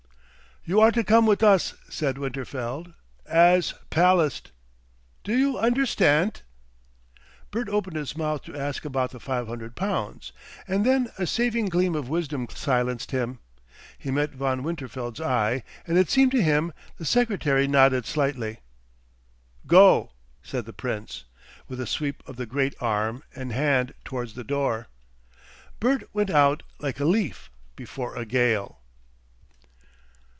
"You are to come with us," said Winterfeld, "as pallast. Do you understandt?" Bert opened his mouth to ask about the five hundred pounds, and then a saving gleam of wisdom silenced him. He met Von Winterfeld's eye, and it seemed to him the secretary nodded slightly. "Go!" said the Prince, with a sweep of the great arm and hand towards the door. Bert went out like a leaf before a gale.